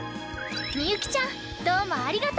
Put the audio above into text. みゆきちゃんどうもありがとう！